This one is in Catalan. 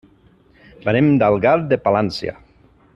Venim d'Algar de Palància.